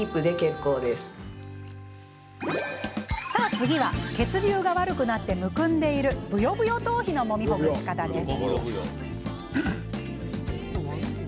次は、血流が悪くなってむくんでいるブヨブヨ頭皮のもみほぐし方です。